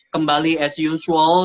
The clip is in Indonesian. kembali as usual